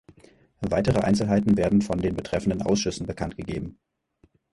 Weitere Einzelheiten werden von den betreffenden Ausschüssen bekanntgegeben.